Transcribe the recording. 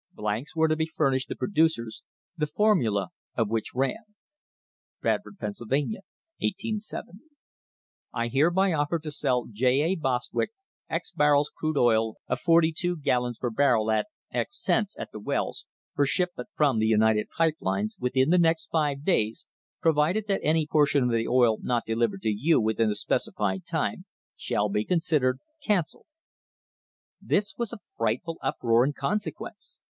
Blanks were to be fur nished the producers, the formula of which ran: Bradford, Pennsylvania, 187 .. I hereby offer to sell J. A. Bostwick barrels crude oil, of forty two gallons per barrel, at .... cents, at the wells, for shipment from the United Pipe Lines, within the next five (5) days, provided that any portion of the oil not delivered to you within the specified time shall be considered cancelled. THE HISTORY OF THE STANDARD OIL COMPANY There was a frightful uproar in consequence.